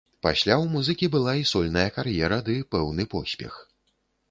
Пасля ў музыкі была і сольная кар'ера ды пэўны поспех.